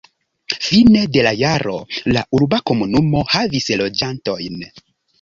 Fine de la jaro la urba komunumo havis loĝantojn.